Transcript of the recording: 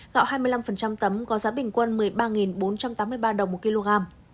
gạo hai mươi năm tấm có giá bình quân một mươi ba bốn trăm tám mươi ba đồng một kg